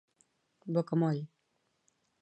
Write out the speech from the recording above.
Bocamoll